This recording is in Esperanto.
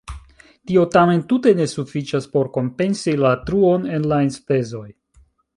Tio tamen tute ne sufiĉas por kompensi la truon en la enspezoj.